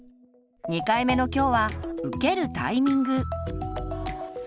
２回目の今日は「受けるタイミング」。